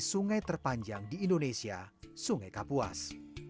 sungai terpanjang di indonesia sungai kapuas